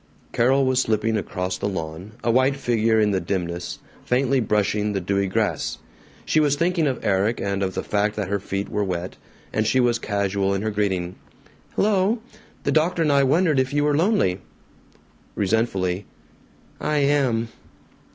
Carol was slipping across the lawn, a white figure in the dimness, faintly brushing the dewy grass. She was thinking of Erik and of the fact that her feet were wet, and she was casual in her greeting: "Hello! The doctor and I wondered if you were lonely." Resentfully, "I am!"